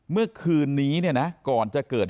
เมื่อคืนนี้เนี่ยนะก่อนจะเกิด